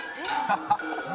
ハハハハ！